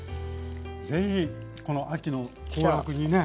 ぜひこの秋の行楽にね。